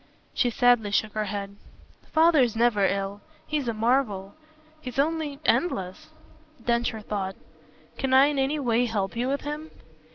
She sadly shook her head. "Father's never ill. He's a marvel. He's only endless." Densher thought. "Can I in any way help you with him?"